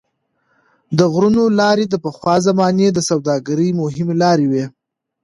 د غرونو لارې د پخوا زمانو د سوداګرۍ مهمې لارې وې.